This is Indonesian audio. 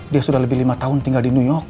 dia sudah lebih lima tahun tinggal di minyak